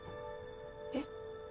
えっ？